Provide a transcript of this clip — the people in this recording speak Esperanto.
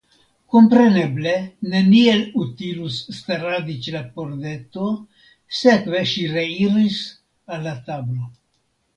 Kompreneble neniel utilus staradi ĉe la pordeto, sekve ŝi reiris al la tablo.